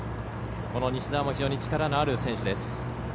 この西澤も非常に力のある選手です。